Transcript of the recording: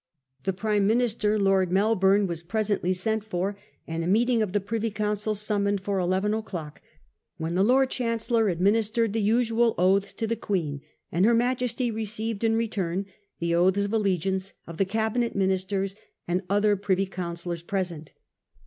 The Prime Minister, Lord Melbourne, was presently sent for, and a meeting of the Privy Council summoned for eleven o'clock, when the Lord Chancellor adminis tered the usual oaths to the Queen, and her Majesty received in return the oaths of allegiance of the Cabi net ministers and other privy councillors present.